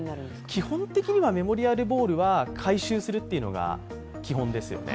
基本的にはメモリアルボールは回収するっていうのが基本ですよね。